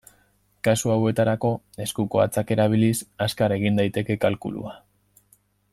Kasu hauetarako eskuko hatzak erabiliz azkar egin daiteke kalkulua.